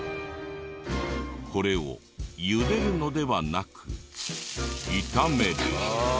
これを茹でるのではなく炒める。